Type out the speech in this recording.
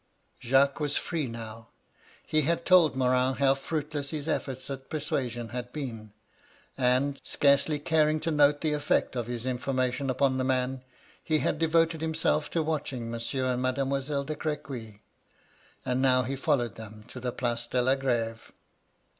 " Jacques was free now. He had told Morm how fruitless his efforts at persuasion had been; and, scarcely caring to note the effect of his information upon the man, he had devoted himself to watching Monsieiu: and Mademoiselle de Crequy. And now he followed them to the Place de la Greve.